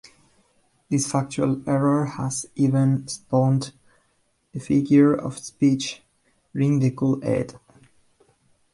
This factual error has even spawned the figure of speech "drink the Kool-Aid".